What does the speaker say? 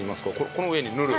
この上に塗る？